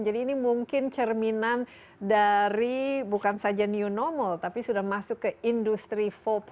jadi ini mungkin cerminan dari bukan saja new normal tapi sudah masuk ke industri empat